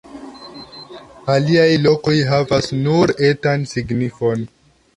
Aliaj lokoj havas nur etan signifon.